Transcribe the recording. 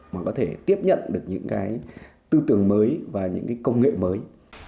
mà có thể tiếp nhận được những cái tư tưởng mới và những cái công nghệ mới